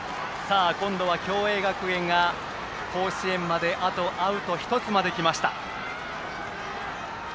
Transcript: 今度は共栄学園が、甲子園まであとアウト１つまできました。